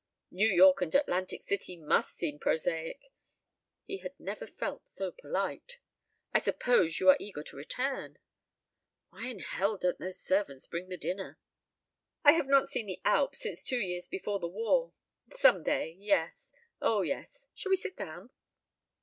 "New York and Atlantic City must seem prosaic." He had never felt so polite. "I suppose you are eager to return?" (Why in hell don't those servants bring the dinner!) "I have not seen the Alps since two years before the war. Some day yes! Oh, yes! Shall we sit down?"